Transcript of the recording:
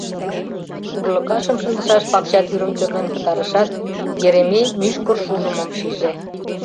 Урлыкашым шындышаш пакча тӱрым тӧрлен пытарышат, Еремей мӱшкыр шужымым шиже.